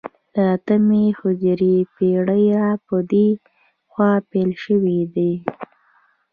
له اتمې هجرې پېړۍ را په دې خوا پیل شوی دی